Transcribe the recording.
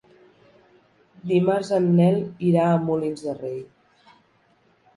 Dimarts en Nel irà a Molins de Rei.